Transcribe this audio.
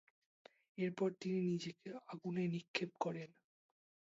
এরপর তিনি নিজেকে আগুনে নিক্ষেপ করেন।